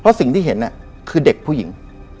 เพราะสิ่งที่เห็นคือเด็กผู้หญิง